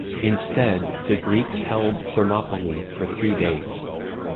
Instead, the Greeks held Thermopylae for three days.